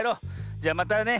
じゃまたね